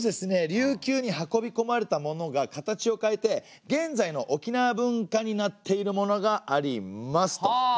琉球に運び込まれたものが形を変えて現在の沖縄文化になっているものがありますと。